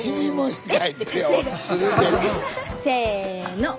せの。